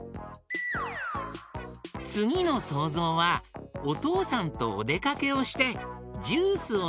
つぎのそうぞうはおとうさんとおでかけをしてジュースをのんでいるえだよ。